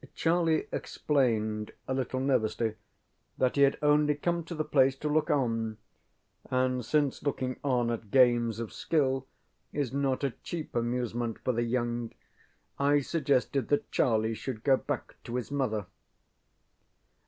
ŌĆØ Charley explained, a little nervously, that he had only come to the place to look on, and since looking on at games of skill is not a cheap amusement for the young, I suggested that Charlie should go back to his mother.